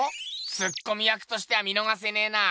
ツッコミ役としては見のがせねぇな。